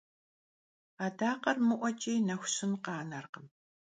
Adakher mı'ueç'i nexu şın khanerkhım.